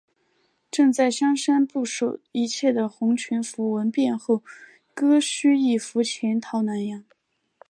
正在香山部署一切的洪全福闻变后割须易服潜逃南洋。